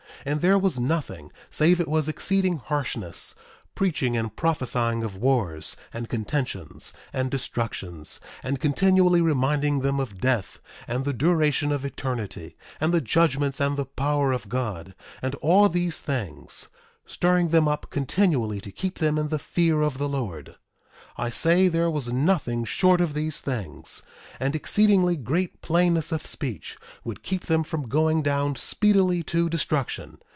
1:23 And there was nothing save it was exceeding harshness, preaching and prophesying of wars, and contentions, and destructions, and continually reminding them of death, and the duration of eternity, and the judgments and the power of God, and all these things—stirring them up continually to keep them in the fear of the Lord. I say there was nothing short of these things, and exceedingly great plainness of speech, would keep them from going down speedily to destruction.